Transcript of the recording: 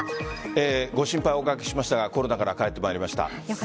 ご心配おかけしましたがコロナから帰ってまいりました。